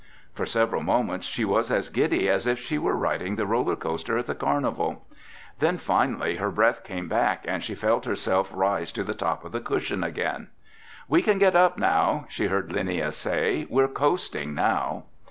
For several moments she was as giddy as if she were riding the roller coaster at the carnival. Then finally her breath came back and she felt herself rise to the top of the cushion again. "We can get up," she heard Linnia say. "We're coasting now."